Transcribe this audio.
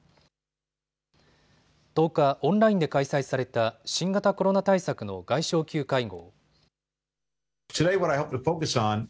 １０日、オンラインで開催された新型コロナ対策の外相級会合。